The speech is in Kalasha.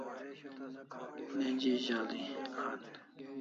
Neji azal'i an